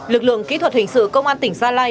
lực lượng kỹ thuật hình sự công an tỉnh gia lai